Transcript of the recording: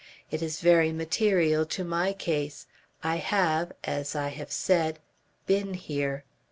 It is very material to my case. I have, as I have said BEEN HERE.